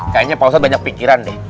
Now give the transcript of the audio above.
kayaknya pak ustadz banyak pikiran deh